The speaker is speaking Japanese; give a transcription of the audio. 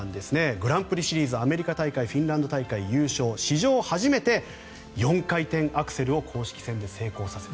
グランプリシリーズアメリカ大会フィンランド大会優勝史上初めて４回転アクセルを公式戦で成功させた。